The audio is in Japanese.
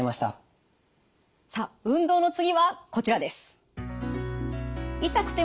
さあ運動の次はこちらです。